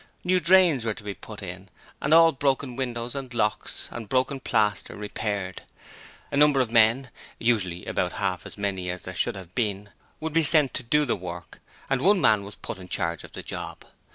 New drains were to be put in, and all broken windows and locks and broken plaster repaired. A number of men usually about half as many as there should have been would be sent to do the work, and one man was put in charge of the 'job'.